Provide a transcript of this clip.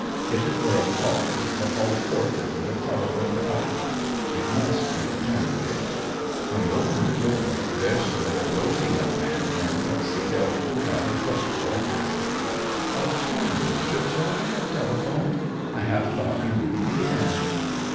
If it were a caller, the hall porter would have telephoned up. It must be the janitor. When he opened the door, there stood a rosy young man in a tuxedo, without a coat or hat. "Pardon. Should I have telephoned? I half thought you wouldn't be in."